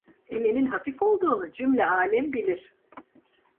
Elimin hafif olduğunu cümle alem bilir.